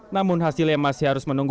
namun hasilnya masih harus menunggu